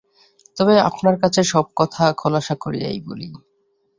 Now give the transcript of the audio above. তবে আপনার কাছে সব কথা খোলসা করিয়াই বলি।